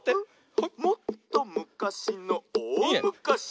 「もっとむかしのおおむかし」